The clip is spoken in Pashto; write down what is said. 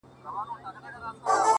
هغه وكړې سوگېرې پــه خـاموشـۍ كي;